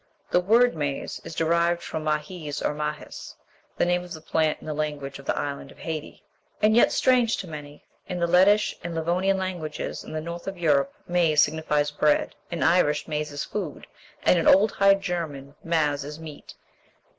The word maize, (Indian corn) is derived from mahiz or mahis, the name of the plant in the language of the Island of Hayti. And yet, strange to say, in the Lettish and Livonian languages, in the north of Europe, mayse signifies bread; in Irish, maise is food, and in the Old High German, maz is meat.